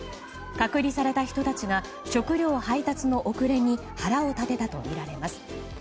隔離された人たちが食料配布の遅れに腹を立てたとみられます。